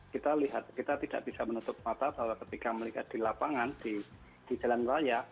kita lihat kita tidak bisa menutup mata bahwa ketika mereka di lapangan di jalan raya